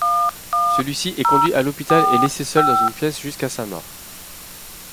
Celui-ci est conduit à l’hôpital et laissé seul dans une pièce jusqu'à sa mort.